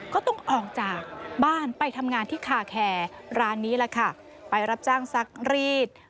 ก็ต้องออกจากบ้านไปทำงานที่คาแคร์ร้านนี้แหละค่ะไปรับจ้างซักรีด